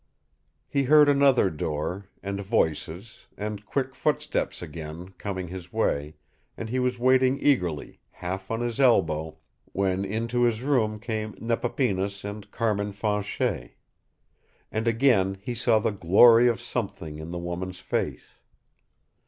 He heard another door, and voices, and quick footsteps again, coming his way, and he was waiting eagerly, half on his elbow, when into his room came Nepapinas and Carmin Fanchet. And again he saw the glory of something in the woman's face.